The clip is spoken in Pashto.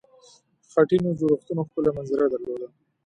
خټینو جوړښتونو ښکلې منظره درلوده.